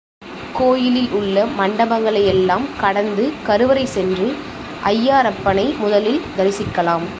கோயிலில் உள்ள மண்டபங்களை யெல்லாம் கடந்து கருவறை சென்று ஐயாறப்பனை முதலில் தரிசிக்கலாம்.